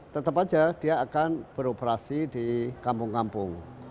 tetap saja dia akan beroperasi di kampung kampung